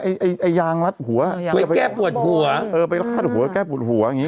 ไอ้ไอ้ยางรัดหัวไปแก้ปวดหัวเออไปรัดหัวแก้ปวดหัวอย่างง